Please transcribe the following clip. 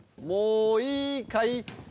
もういいかい？